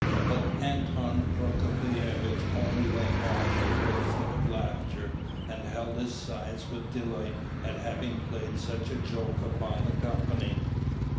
But Anton Prokofievitch only went off into a fit of laughter, and held his sides with delight at having played such a joke upon the company.